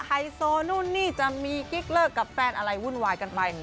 ไฮโซนู่นนี่จะมีกิ๊กเลิกกับแฟนอะไรวุ่นวายกันไป